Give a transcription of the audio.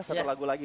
satu lagu lagi